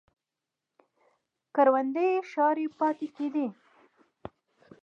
کروندې یې شاړې پاتې کېدې